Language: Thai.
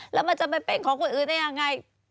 แล้วมันจะไปเป็นของคนอื่นได้ยังไง